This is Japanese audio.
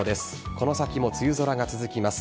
この先も梅雨空が続きます。